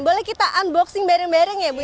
boleh kita unboxing bareng bareng ya ibu ya